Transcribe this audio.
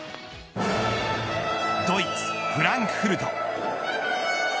ドイツ、フランクフルト。